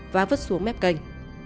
và vứt xuống mép kênh